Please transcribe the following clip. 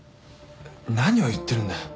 何を言ってるんだよ。